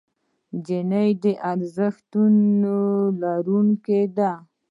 نجلۍ د ارزښتونو لرونکې ده.